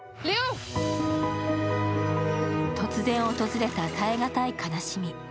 突然訪れた耐えがたい悲しみ。